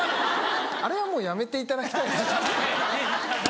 あれはもうやめていただきたいですね。